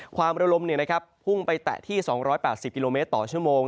ความระลมพุ่งไปแตะที่๒๘๐กิโลเมตรต่อชั่วโมง